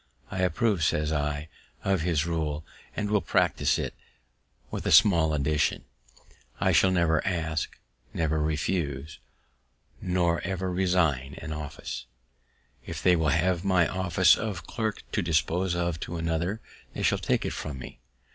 "I approve," says I, "of his rule, and will practice it with a small addition; I shall never ask, never refuse, nor ever resign an office. If they will have my office of clerk to dispose of to another, they shall take it from me.